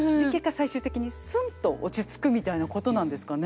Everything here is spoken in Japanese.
最終的にスンと落ち着くみたいなことなんですかね。